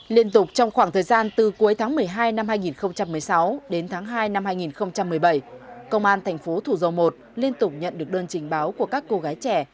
liên tục trong khoảng thời gian từ cuối tháng một mươi hai năm hai nghìn một mươi sáu đến tháng hai năm hai nghìn một mươi bảy công an thành phố thủ dầu một liên tục nhận được đơn trình báo của các cô gái trẻ